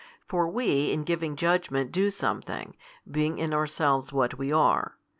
For we in giving judgment do something, being in ourselves what we are.